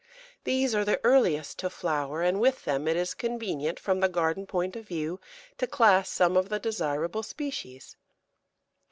These are the earliest to flower, and with them it is convenient, from the garden point of view, to class some of the desirable species.